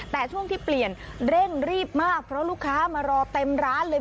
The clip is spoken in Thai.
แต่ช่วงที่เปลี่ยนเร่งรีบมากเพราะลูกค้ามารอเต็มร้านเลย